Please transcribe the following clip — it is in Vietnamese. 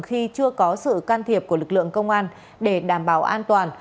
khi chưa có sự can thiệp của lực lượng công an để đảm bảo an toàn